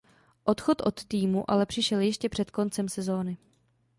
Odchod od týmu ale přišel ještě před koncem sezóny.